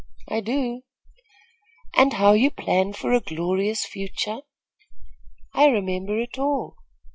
"I do." "And how you planned for a glorious future?" "I remember it all."